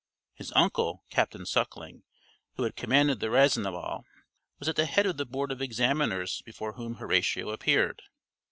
His uncle, Captain Suckling, who had commanded the Raissonnable, was at the head of the board of examiners before whom Horatio appeared.